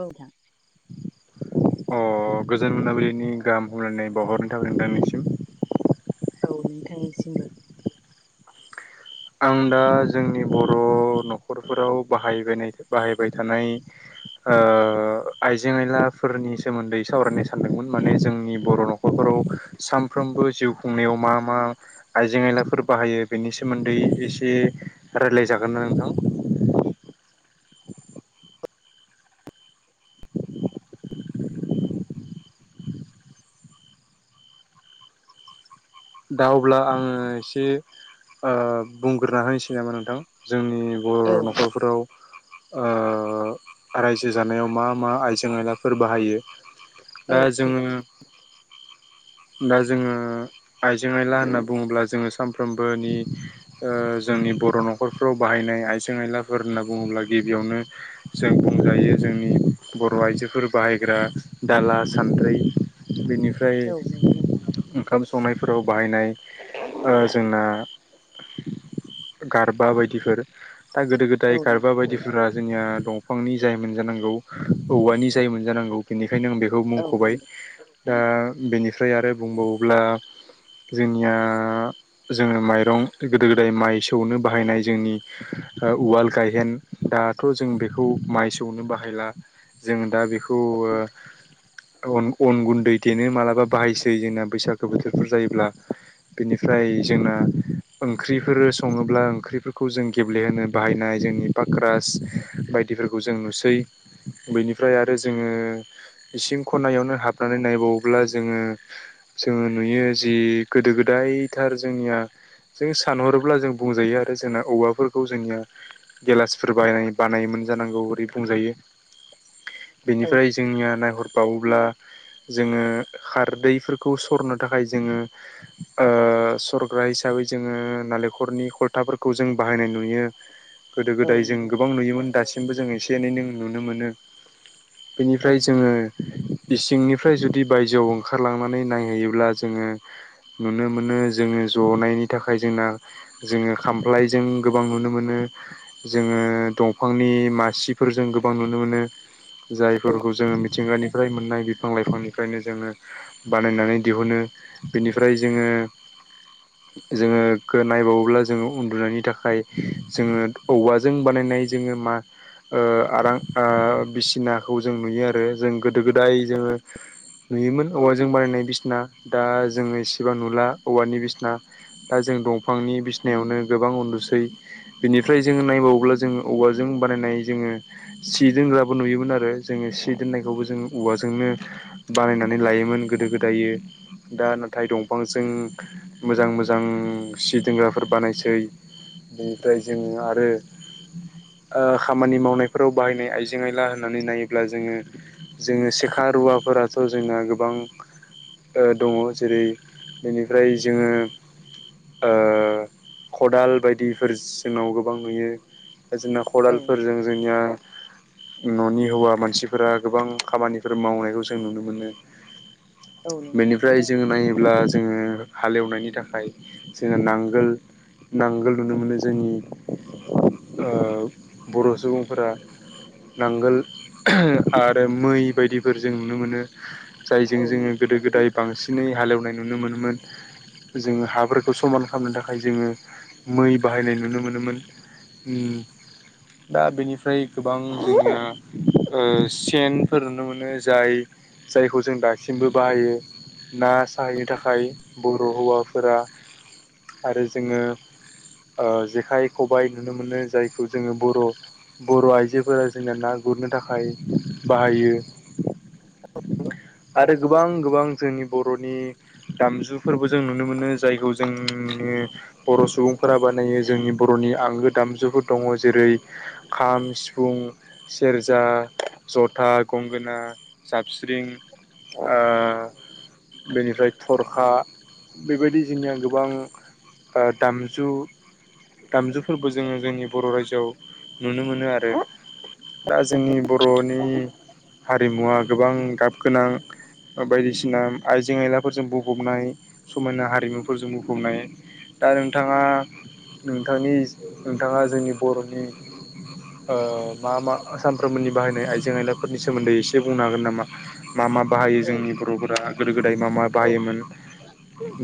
औ नोंथां। अ गोजोन मोनाबिलिनि गाहाम हामलायनाय बावहरनाय थाबाय नोंथांनिसिम। औ नोंथांनिसिमबो। आं दा जोंनि बर' न'खरफोराव बाहायबोनाय बाहायबाय थानाय ओ आइजें आयलाफोरनि सोमोन्दै सावरायनो सानदोंमोन माने जोंनि बर' न'खरफोराव औ सानफ्रोमबो जिउ खुंनायाव मा मा आइजें आइलाफोर बाहायो बेनि सोमोन दै एसे रायलायजागोन ना नोंथां? दा अब्ला आङो एसे ओ बुंग्रोना होनोसै नामा नोंथां जोंनि बर' औ न'खरफोराव ओ राज्यो जानायाव मा मा आइजें आयलाफोर बाहायो। औ दा जोङो दा जोङो आइजें आइला होनना बुङोब्ला जोङो सानफ्रोमबोनि ओ जोंनि बर' न'खरफोराव बाहायनाय आइजें आइलाफोर होनना बुङोब्ला गिबियावनो जों बुंजायो जोंनि बर' आइजोफोर बाहायग्रा दाला सान्द्रै बेनिफ्राय औ नंगौ नोंथां ओंखाम संनायफोराव बाहायनाय ओ जोंना गारबा बायदिफोर दा गोदो औ गोदाय नंगौ गारबा बायदिफोरा जोंनिया दं बिफांनि जायोमोन जानांगौ औवानि जायोमोन जानांगौ बेनिखायनो आं बेखौ औ मुंख'बाय। नंगौ दा बिनिफ्राय आरो बुंबावोब्ला [inaudible] जोंनिया जोङो माइरं गोदो गोदाय माइ सौनो बाहायनाय जोंनि ओ उवाल गायहेन दाथ' जों बेखौ माइ सौनो बाहायला जों दा बे खौ ओ अन अन गुन्दै देनो मालाबा बाहायसै जोंना बैसाग बोथोरफोर जायोब्ला। बेनिफ्राय जोंना ओंख्रिफोर सङोब्ला ओंख्रिफोरखौ जों गेब्लेहोनो बाहायनाय जोंनि पाक्रास बाय दि फोरखौ जों नुसै बेनिफ्राय आरो जोङो इसिं खनायावनो हाबनानै नायबावोब्ला जोङो जोङो नुयो जि गोदो गोदायथार जोंनिया जों सानहरोब्ला जों बुंजायो आरो जोंना औवाफोरखौ जोंनिया गेलासफोर बानाय बानायोमोन जानांगौ ओरै बुंजायो। औ बेनिफ्राय जोंनिया नायहरबावोब्ला जोङो खारदैफोर खौ सरनो थाखाय जोङो ओ सरग्रा हिसाबै जोङो नालेंखरनि खलथा फोरखौ जों बाहायनाय नुयो। गोदो औ गोदाय जों नंगौ गोबां नुयोमोन दासिमबो जों एसे एनै नों नुनो मोनो। औ बेनिफ्राय जोङो इसिंनिफ्राय जुदि बायजोआव ओंखारलांना नै नायहैयोब्ला जोङो नुनो मोनो जोङो जनायनि थाखाय जोंना जोङो खामफ्लायजों गोबां नुनो मोनो। जोङो दंफांनि मासिफोर जों गोबां नुनो मोनो। जायफोरखौ जों मिथिंगानिफ्राय मोननाय बिफां लाइफांनिफ्रायनो जोङो बानायनानै दिहुनो बेनिफ्राय जोङो जोङो गो नायबावोब्ला जोङो उन्दुनायनि थाखाय जोङो औवाजों बानाय नाय जोङो मा ओ आरां आ बिसिनाखौ जों नुयो आरो जों गोदो गोदाय जोङो नुयोमोन औवाजों बानायनाय बिसिना दा जोङो इसेबां नुला औवानि बिसना दा जों दंफांनि बिसिनायावनो गोबां उन्दुसै बिनिफ्राय जोङो नायबावोब्ला जोङो औवाजों बानायनाय जोङो सि दोनग्राबो नुयोमोन आरो जोङो सि दोननायखौबो जोङो औवाजोंनो बानायनानै लायो। मोन गोदो गोदायो दा नाथाय दंफांजों मोजां मोजां सि दोनग्रा फोर बानायसै ओमफ्राय जों आरो आ खामानि मावनायफोराव बाहायनाय आइजें आयला होननानै नायोब्ला जोङो जोङो सेखा रुवाफोराथ' जोंना गोब बां दङ जेरै बेनिफ्राय जोङो ओ खदाल बायदिफोर जोंनाव गोबां नुयो जोंना औ खदालफोरजों जोंनिया न'नि हौवा मानसिफोरा गोबां खामानिफोर मावनायखौ जों नुनो मोनो औ नंगौ बेनिफ्राय जोङो नायो ब्ला जोङो हालेवनायनि थाखाय जोङो नांगोल नांगोल नुनो मोनो जोंनि ओ बर' सुबुंफोरा नांगोल आरो मै बायदिफोर जों नुनो मोनो जायजों जोङो गोदो गोदाय बांसिनै हालेवनाय नुनो मोनोमोन जोङो हाफोरखौ समान खालामनो थाखाय जोङो मै बाहायनाय नुनो मोनोमोन उम दा बेनिफ्राय गोबां जोंहा ओ सेनफोर नुनो मोनो जाय जायखौ जों दासिमबो बाहायो ना साहैनो थाखाय बर' हौवाफोरा आरो जोङो ओ जेखाइ खबाइ नुनो मोनो जायखौ जोङो बर' बर' आइजोफोरा जोंना ना गुरनो थाखाय बाहायो आरो गोबां गोबां जोंनि बर'नि दामजुफोरबो जों नुनो मोनो जायखौ जोंनि बर' सुबुं फोरा बानायनायो जोंनि बर'नि आंगो दामजुफोर दङ जेरै खाम सिफुं सेरजा जथा गंगोना साबस्रिं ओ बेनिफ्राय थरखा बेबायदि जोंनिया गोबां ओ दामजु दामजुफोरबो जोङो जोंनि बर' रायजोआव नुनो मोनो आरो दा जोंनि बर'नि हारिमुवा गोबां गाब गोनां ओ बायदिसिना आइजें आयलाफोरजों बुफबनाय समायना हारिमुफोरजों बुंफबनाय दा नोंथाङा नोंथांनि नोंथाङा जोंनि बर'नि ओ मा मा सामफ्रोमबोनि बाहायनाय आइजें आइलाफोरनि सोमोन्दै एसे बुंनो हागोन नामा मा मा बाहायो औ जोंनि बर'फोरा गोदो गोदाय मा मा औ बाहायोमोन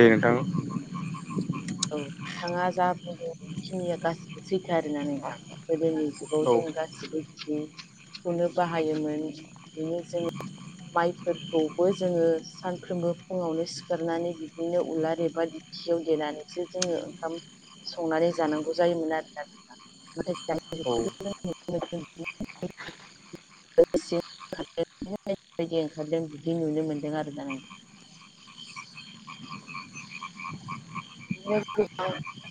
दे नोंथां औ नोंथाङा जा बुंदों बेखिनिया गासिबो सैथो आरोना नोंथां गोदोनि जुगाव औ जों गासिबो दि सुनो बाहायोमोन बिदिनो जोंङ माइफोर खौबो जोङो सानफ्रोमबो फुङावनो सिखारनानै बिदिनो उलाद एबा दिखियाव देनानै सो जोङो ओंखाम संनानै जानांगौ जायोमोन आरो नोथां नाथाय औ दानि जुगाव [unintelligible] ओंखारदों बिदि नुनो मोनदों आरोना [unintelligible] जोंनिया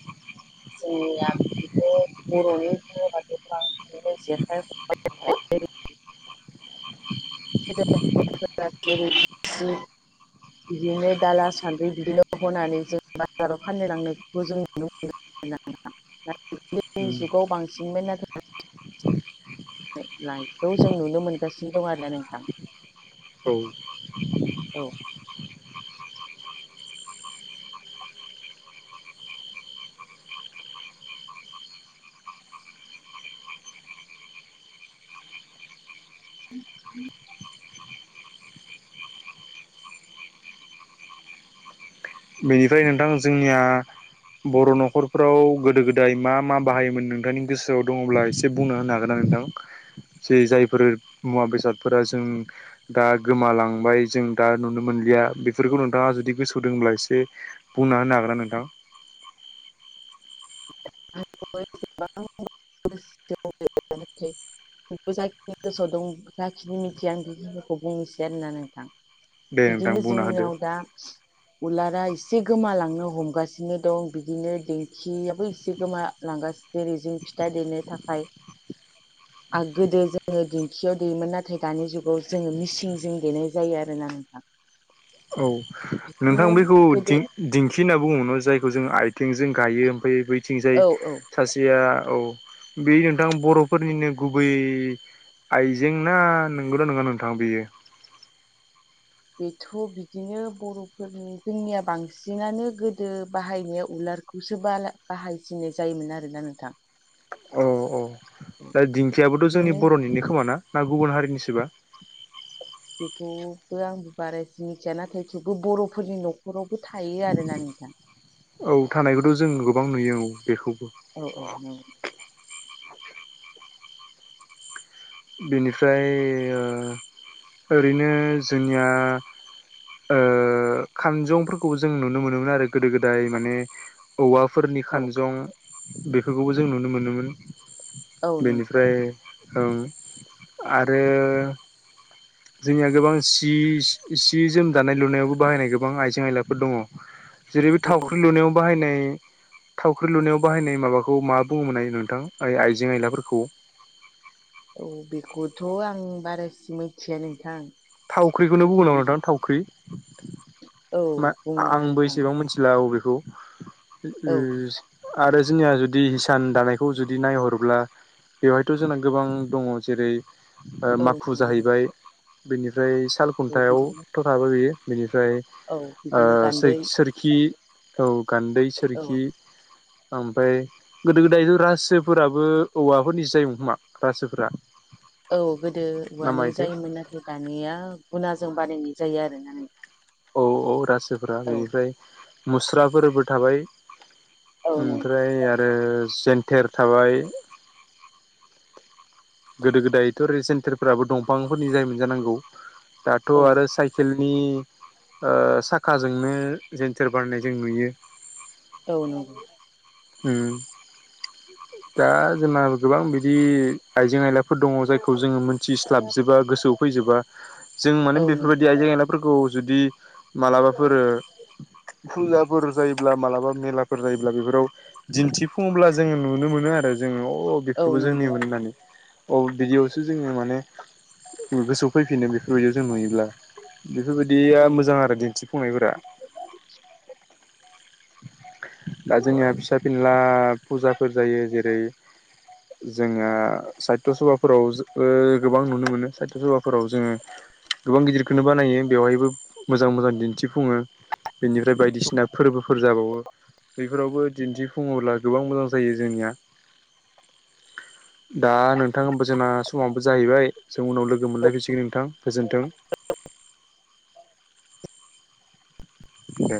बे बर'नि धोरोमाव गोबां बिदिनो जेखाइ [unintelligible] बिदिनो दाला सान्द्रि बिदिल' होनानै जों बाजाराव फाननो लांनायखौबो जों नुनो मोनो [unintelligible] दोनि जुगाव बांसिनमोन नायखौ जों नुनो मोनगासिनो दं आरोना नोंथां औ औ बेनिफ्राय नोंथां जोंनिया बर' न'खरफ्राव गोदो गोदाय मा मा बाहायोमोन नोंथांनि गोसोआव दङब्ला एसे बुंना होनो हागोना नोंथां जे जायफोर मुवा बेसादफोरा जों दा गोमालांबाय जों जों दा नुनो मोनलिया बेफोरखौ नोंथाङा जुदि गोसोआवदोंब्ला इसे बे बुंना होनो हागोनना नोंथां? [unintelligible] औबो जाखिनी गोसोआव दं। जाखिनि मिथिया आं बेखिनिखौ बुंनोसै आरोना नोंथां। दे नोंथां बिदिनो बुंना होदो जोंनियाव दा उलारा एसे गोमालांनो हमगासिनो दं बिदिनो दिंखियाबो एसे लांगासिनो रिजिं फिथा देनो थाखाय। आग गोदो जोङो दिंखियाव देयोमोन। नाथाय दानि जुगाव जोङो मिसिंजों देनाय जायो आरोना नोंथां। [inaudible] औ नोंथां बिदिनो बेखौ गोदो दिन दिंखि होनना बुङोमोन जायखौ जोङो आयथेंजों गायो ओमफाय बैथिंजाय औ औ सासेया औ बे नोंथां बर'फोरनिनो गुबै आइजें ना नोंगौना नङा नोंथां बेयो। [inaudible] बेथ' बिदिनो बर'फोरनि जोंनिया बांसिनानो गोदो बाहायनाय उलारखौ सो बाला बाहायसिनाय जायोमोन आरोना नोंथां। औ औ औ दा दिंखियाबोथ' जोंनि बिदिनो बर'निनो खोमा ना? ना गुबुन हारिनिसोबा? [unintelligible] बो आं बारासिन मिथिया ना थेवबो बर'फोरनि न'खराव औ थानायखौथ' जों गोबां नुयो औ बेखौ। औ औ नोंथां। बेनिफ्राय ओ ओरैनो जोंनिया ओ खानजंफोरखौ जों नुनो मोनोमोन आरो। गोदो गोदाय माने औवाफोरनि औ खानजं बेफोरखौबो जों नुनो मोनोमोन। औ नंगौ बेनिफ्राय औ आरो जोंनिया गोबां सि सि जोम दानाय लुनायावबो बाहायनाय गोबां आइजें आयलाफोर दङ। जेरै बे थावख्रि लुनायाव बाहायनाय। थावख्रि लुनायाव बाहायनाय माबाखौ मा बुङोमोननाय नोंथां आइजें आइलाफोरखौ। औ बेखौथ' आं बारासिन मिथिया नोंथां। थावख्रिखौनो नाथाय बुङोना बिदि नोंथां थावख्रि औ मा बुङो आंबो आं एसेबां मिथिला औ बबेखौ औ उम आरो जोंनिया जुदि हिसान दानायखौ जुदि नायहरोब्ला। बेवहायथ' जोंना गोबां दङ। जेरै ओ औ माखु नंगौ जाहैबाय बेनिफ्राय साल औ बिदिनो खुन्थायावथ' थ'नाबो हैयो बेनि फ्राय औ ओ बिदिनो सै गान्दै सोरखि औ गान्दै औ सोरखि ओमफाय गोदो गोदायथ' रासोफोराबो औवाफोरनिसो जायोमोन खोमा रासोफोरा। औ गोदो ना औवानि मायोथाय जायोमोन। नाथाय दानिया गुनाजों बानायायनाय जायो आरोना नोंथां। औ औ रासोफोरा बेनिफ्राय मुस्राफोरबो थाबाय। औ ओमफ्राय आरो जन्थेर थाबाय। गोदो गोदायथ' रि सेन्टेरफोराबो दंफांफोरनि जायोमोन जानांगौ। दाथ' आरो औ साइकेल नि ओ साखाजोंनो जेनथेर बारनाय जों नुयो। औ नंगौ। उम दा जोंना गोबां बिदि आयजें आयला फोर दङ। जायखौ जोङो मोनथिस्लाबजोबा गोसोआव फैजोबा। जों मान औ नंगौ बेफोरबायदि आइजें आयलाफोरखौ जुदि मालाबाफोर ओ फुजाफोर जायोब्ला मालाबा मेलाफोर जायोब्ला बेफोराव दिन्थिफुङोब्ला जोङो नुनो मोनो आरो। जोङो अ' औ बेफोरबो जोंनि नंगौ मोन होननानै। अ बिदियावसो जोङो माने गोसोआव फैफिनो बेफोरबायदियाव जों नुयोब्ला। बेफोरबायदिया औ मोजां आरो दिन्थिफुंनायफोरा। दा जोंनिया फिसा फिनला फुजाफोर जायो। जेरै जोङो साहित्य' सभाफोराव गोबां नुनो मोनो साहित्य सभाफोराव जोङो। गोबां गिदिरखोनो बानायो बेवहायबो मोजां मोजां दिन्थिफुङो बिनिफ्राय बायदिसिना फोरबो फोर जाबावो बेफोरावबो दिन्थिफुङोब्ला गोबां मोजां जायो जोंनिया दा नोंथां [unintelligible] समाबो जाहैबाय। जों उनाव लोगो मोनलायफैसिगोन नोंथां गोजोन्थों [inaudible] दे